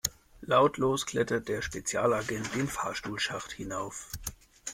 Lautlos klettert der Spezialagent den Fahrstuhlschacht hinauf.